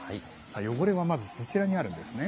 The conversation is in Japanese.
汚れはまずそちらにあるんですね。